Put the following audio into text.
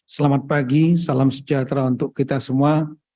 selamat pagi salam sejahtera untuk kita semua